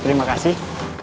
ya terima kasih